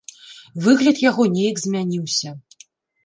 Выгляд яго нейк змяніўся.